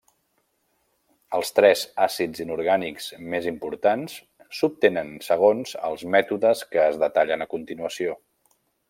Els tres àcids inorgànics més importants s'obtenen segons els mètodes que es detallen a continuació.